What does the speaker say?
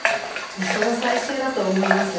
虫の採集だと思います。